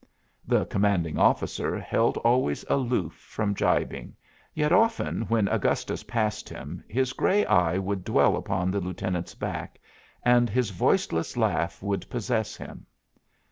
The commanding officer held always aloof from gibing, yet often when Augustus passed him his gray eye would dwell upon the Lieutenant's back, and his voiceless laugh would possess him.